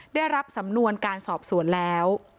ได้รับสำนวนการสอบสวนแล้ว